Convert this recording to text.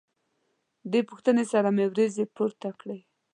دې پوښتنې سره مې وروځې پورته کړې.